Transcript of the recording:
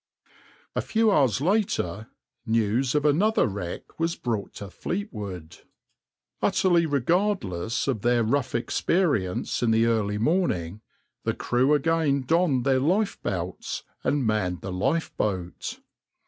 \par A few hours later, news of another wreck was brought to Fleetwood. Utterly regardless of their rough experience in the early morning, the crew again donned their lifebelts and manned the lifeboat.